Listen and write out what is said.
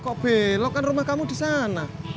kok belok kan rumah kamu disana